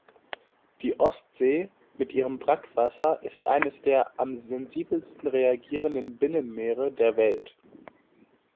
Die Ostsee mit ihrem Brackwasser ist eines der am sensibelsten reagierenden Binnenmeere der Welt.